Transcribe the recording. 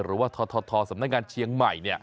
หรือว่าททสำนักงานเชียงใหม่